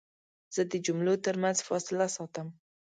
زه د جملو ترمنځ فاصله ساتم.